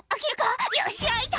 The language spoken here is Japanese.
よし開いた！」